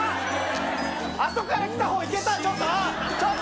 あとから来たほういけた、ちょっと！